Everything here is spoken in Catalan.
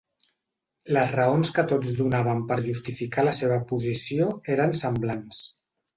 Les raons que tots donaven per justificar la seva posició eren semblants.